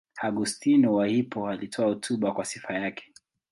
Augustino wa Hippo alitoa hotuba kwa sifa yake.